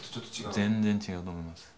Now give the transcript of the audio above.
全然違うと思います。